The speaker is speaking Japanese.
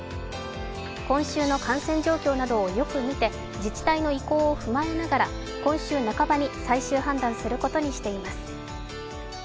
今週の感染状況などをよく見て、自治体の意向を踏まえながら今週半ばに最終判断することにしています。